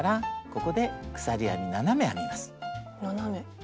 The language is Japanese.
ここで鎖編み７目編みます。